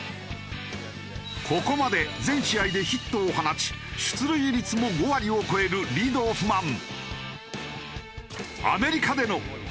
ここまで全試合でヒットを放ち出塁率も５割を超えるリードオフマン。